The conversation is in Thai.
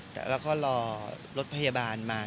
แล้วก็รอรถพยาบาลมา